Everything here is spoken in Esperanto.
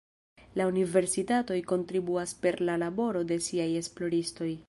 La universitatoj kontribuas per la laboro de siaj esploristoj.